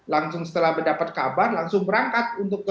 langsung setelah mendapat kabar langsung berangkat untuk ke